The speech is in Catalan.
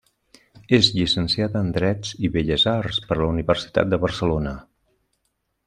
És llicenciada en Dret i Belles Arts per la Universitat de Barcelona.